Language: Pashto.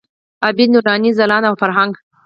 عابد، نوراني، ځلاند او فرهنګ.